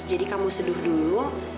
jadi kamu seduh dulu